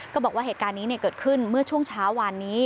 บอกว่าเหตุการณ์นี้เกิดขึ้นเมื่อช่วงเช้าวานนี้